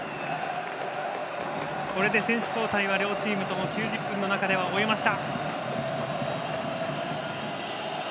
これで選手交代は両チームとも９０分の中では終えました。